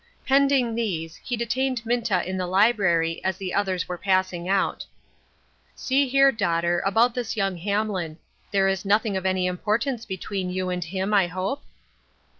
Pending these, he detained Minta in the library as the others were passing out. " See here, daughter, about this young Hamlin ; there is nothing of any importance between you and him, I hope